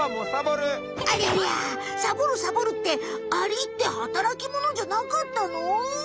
ありゃりゃサボるサボるってアリって働きものじゃなかったの？